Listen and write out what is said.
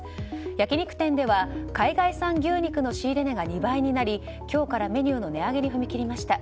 焼き肉店では海外産牛肉の仕入れ値が２倍になり今日からメニューの値上げに踏み切りました。